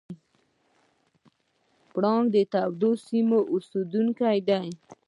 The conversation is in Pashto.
پړانګ د تودو سیمو اوسېدونکی دی.